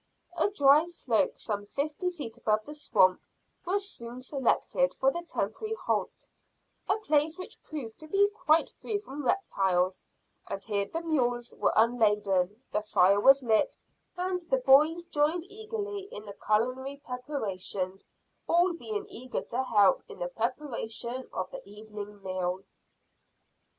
A dry slope some fifty feet above the swamp was soon selected for the temporary halt a place which proved to be quite free from reptiles; and here the mules were unladen, the fire was lit, and the boys joined eagerly in the culinary preparations, all being eager to help in the preparation of the evening meal.